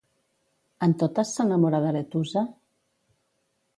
En totes s'enamora d'Aretusa?